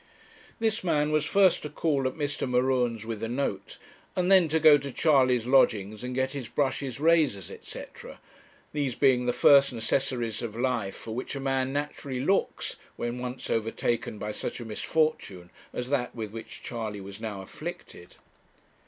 This man was first to call at Mr. M'Ruen's with a note, and then to go to Charley's lodgings and get his brushes, razors, &c., these being the first necessaries of life for which a man naturally looks when once overtaken by such a misfortune as that with which Charley was now afflicted.